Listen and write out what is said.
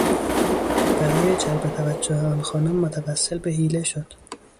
برای جلب توجه آن خانم متوسل به حیله شد.